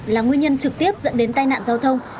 là nguyên nhân trực tiếp dẫn đến tai nạn giao thông